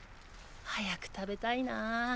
早く食べたいなあ。